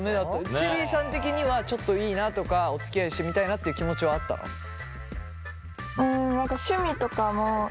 チェリーさん的にはちょっといいなとかおつきあいしてみたいなっていう気持ちはあったの？え！？